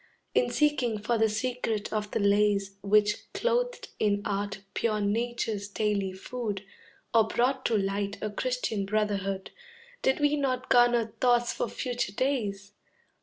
In seeking for the secret of the lays Which clothed in art pure Nature's daily food, Or brought to light a Christian brotherhood, Did we not garner thoughts for future days?